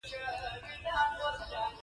غزل اورم ښه خوند کوي .